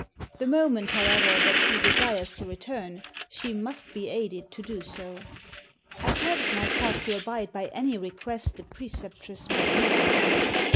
The moment, however, that she desires to return she must be aided to do so." I pledged myself to abide by any request the Preceptress might make of me.